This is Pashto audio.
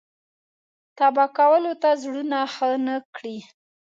تبا کولو ته زړونه ښه نه کړي.